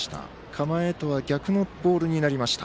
構えとは逆のボールになりました。